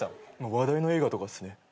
話題の映画とかっすね。